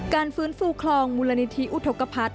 การฟื้นฟูคลองมุลนิธิอุทกพัฒน์